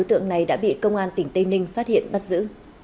hai đối tượng này đã bị công an tỉnh tây ninh phát hiện bắt giữ